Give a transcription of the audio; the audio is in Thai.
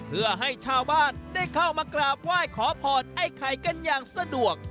เพื่อให้ชาวบ้านได้เข้ามากราบไหว้ขอพรไอ้ไข่กันอย่างสะดวก